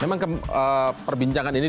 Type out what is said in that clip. memang perbincangan ini